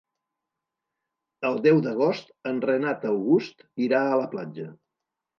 El deu d'agost en Renat August irà a la platja.